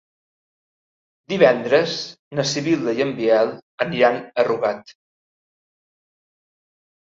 Divendres na Sibil·la i en Biel aniran a Rugat.